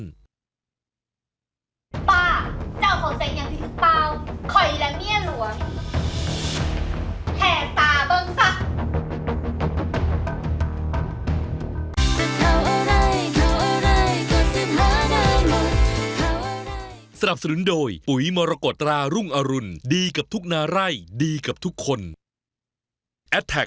ป้าเจ้าขอเซ็กอย่างที่สุดเปล่า